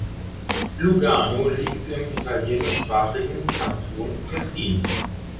Lugano liegt im italienischsprachigen Kanton Tessin.